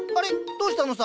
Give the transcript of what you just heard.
どうしたのさ？